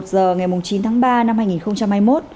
một mươi một h ngày chín tháng ba năm hai nghìn hai mươi một